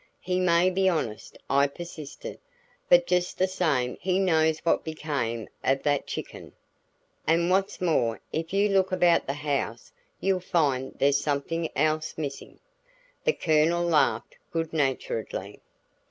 "He may be honest," I persisted, "but just the same he knows what became of that chicken! And what's more, if you look about the house you'll find there's something else missing." The Colonel laughed good naturedly.